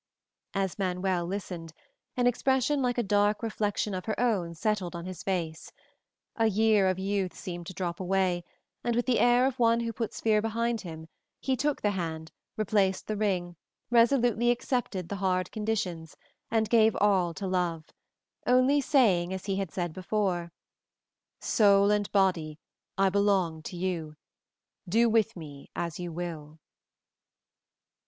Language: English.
As Manuel listened, an expression like a dark reflection of her own settled on his face; a year of youth seemed to drop away; and with the air of one who puts fear behind him, he took the hand, replaced the ring, resolutely accepted the hard conditions, and gave all to love, only saying as he had said before, "Soul and body, I belong to you; do with me as you will."